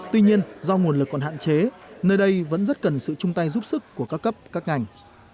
tuy nhiên do nguồn lực còn hạn chế nơi đây vẫn rất cần sự chung tay giúp sức của các cấp các ngành